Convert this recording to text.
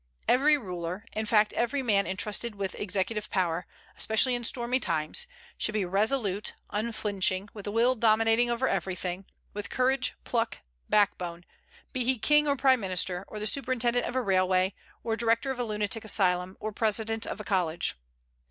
Every ruler, in fact every man intrusted with executive power, especially in stormy times, should be resolute, unflinching, with a will dominating over everything, with courage, pluck, backbone, be he king or prime minister, or the superintendent of a railway, or director of a lunatic asylum, or president of a college.